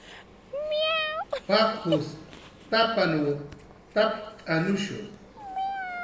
"p""ak""us tapanw tapt'anushu "